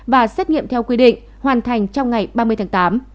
và xét nghiệm theo quy định hoàn thành trong ngày ba mươi tháng tám